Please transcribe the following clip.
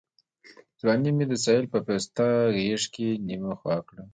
ځواني مي د ساحل په پسته غېږ کي نیمه خوا کړه